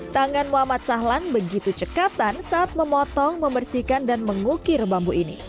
tangan muhammad sahlan begitu cekatan saat memotong membersihkan dan mengukir bambu ini